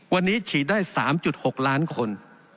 วันนี้ฉีดได้๓๖ล้านคน